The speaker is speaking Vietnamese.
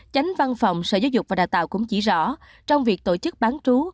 chánh văn phòng sở giáo dục và đào tạo cũng chỉ rõ trong việc tổ chức bán chú